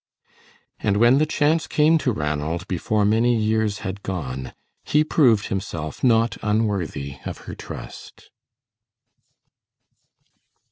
And when the chance came to Ranald before many years had gone, he proved himself not unworthy of her trust.